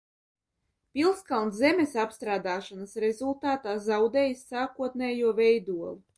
Pilskalns zemes apstrādāšanas rezultātā zaudējis sākotnējo veidolu.